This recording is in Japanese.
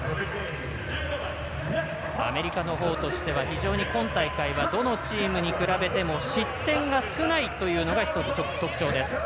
アメリカのほうとしては非常に今大会はどのチームに比べても失点が少ないというのが１つ特徴です。